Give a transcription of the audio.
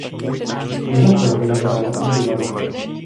Mimo filmy hrála i v divadle.